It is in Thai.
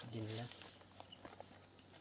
เวียนหัวไม่มาหรอกลูกไม่มาหรอก